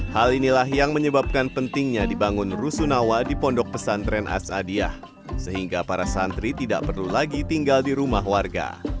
hal inilah yang menyebabkan pentingnya dibangun rusunawa di pondok pesantren asadiah sehingga para santri tidak perlu lagi tinggal di rumah warga